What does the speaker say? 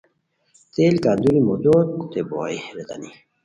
تیل کندوری مودوت بوئے ریتانی